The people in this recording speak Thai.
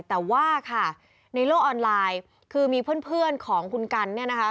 แต่ว่าค่ะในโลกออนไลน์คือมีเพื่อนของคุณกันเนี่ยนะคะ